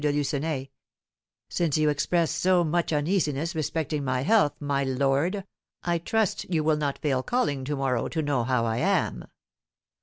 de Lucenay: "Since you express so much uneasiness respecting my health, my lord, I trust you will not fail calling to morrow to know how I am."